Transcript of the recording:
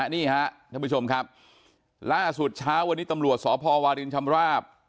นี่ฮะท่านผู้ชมครับล่าสุดเช้าวันนี้ตำรวจสพวารินชำราบ